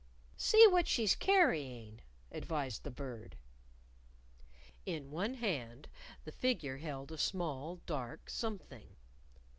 "See what she's carrying," advised the Bird. In one hand the figure held a small dark something.